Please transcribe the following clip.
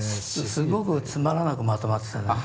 すごくつまらなくまとまってたんだね。